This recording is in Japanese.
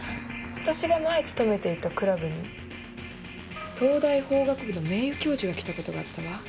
私が前勤めていたクラブに東大法学部の名誉教授が来たことがあったわ。